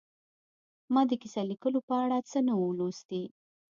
ما د کیسه لیکلو په اړه څه نه وو لوستي